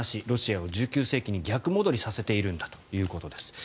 ロシアを１９世紀に逆戻りさせているんだということです。